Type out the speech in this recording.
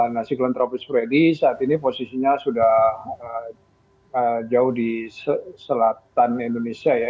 nah siklon tropis freddy saat ini posisinya sudah jauh di selatan indonesia ya